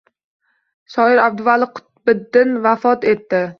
Shoir Abduvali Qutbiddin vafot etdi